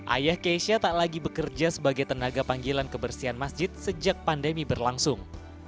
ayah keisha tak lagi bekerja sebagai tenaga panggilan kebersihan masjid sejak pandemi berlangsung